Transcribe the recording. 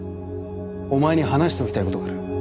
お前に話しておきたいことがある。